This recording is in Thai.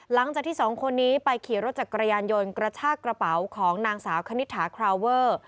หลังจากที่สองคนนี้ไปขี่รถจักรยานยนต์กระชากระเป๋าของนางสาวคณิตถาคราวเวอร์